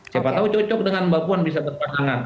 siapa tahu cocok dengan mbak puan bisa berpasangan